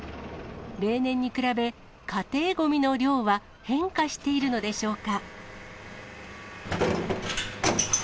例年に比べ、家庭ごみの量は変化しているのでしょうか。